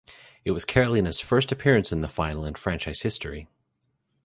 It was Carolina's first appearance in the Final in franchise history.